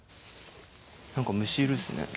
なんか虫いるっすね。